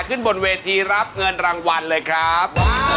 ขึ้นบนเวทีรับเงินรางวัลเลยครับ